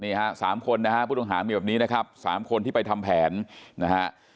สามคนนะฮะผู้ต้องหามีแบบนี้นะครับ๓คนที่ไปทำแผนนะฮะ